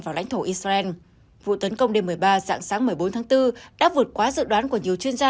vào lãnh thổ israel vụ tấn công đêm một mươi ba dạng sáng một mươi bốn tháng bốn đã vượt quá dự đoán của nhiều chuyên gia